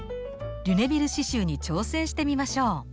リュネビル刺しゅうに挑戦してみましょう！